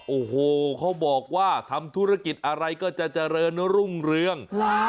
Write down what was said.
โอ้โหเขาบอกว่าทำธุรกิจอะไรก็จะเจริญรุ่งเรือง